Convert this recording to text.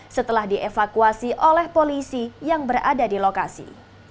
setelah dievakuasi oleh polisi yang berada di lokasi